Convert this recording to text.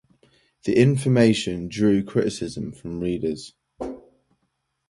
The information drew criticism from readers.